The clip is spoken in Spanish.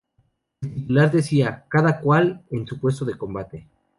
El titular decía: ""¡Cada cual en su puesto de combate!"".